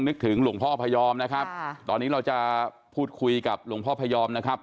นึกถึงหลวงพ่อพยอมนะครับตอนนี้เราจะพูดคุยกับหลวงพ่อพยอมนะครับ